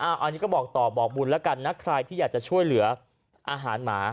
อันนี้ก็บอกต่อบอกบุญแล้วกันนะใครที่อยากจะช่วยเหลืออาหารหมา